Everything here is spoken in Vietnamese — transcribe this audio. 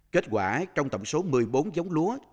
kết quả trong tổng số một mươi bốn giống lúa